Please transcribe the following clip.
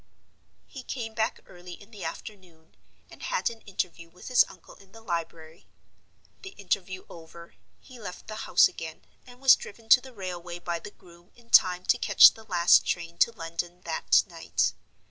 He came back early in the afternoon, and had an interview with his uncle in the library. The interview over, he left the house again, and was driven to the railway by the groom in time to catch the last train to London that night.